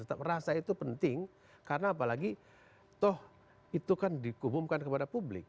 tetap merasa itu penting karena apalagi toh itu kan dikubumkan kepada publik